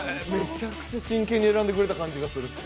めちゃくちゃ真剣に選んでくれた感じする。